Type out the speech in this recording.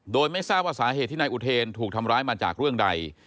โดยไม่ทราบว่าสาเหตุที่นายอุเทนถูกทำร้ายมาจากเรื่องใด